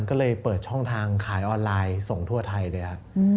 ก็เลยเปิดช่องทางขายออนไลน์ส่งทั่วไทยเลยครับ